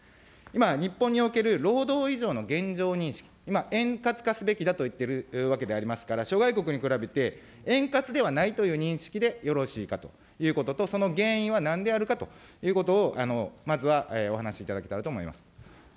今、日本における労働移動の現状認識、円滑化すべきだと言っているわけでありますから諸外国に比べて円滑ではないという認識でよろしいかということと、その原因はなんであるかということを、まずはお話いただきたいと思います。